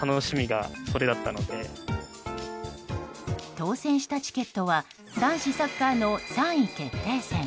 当選したチケットは男子サッカーの３位決定戦。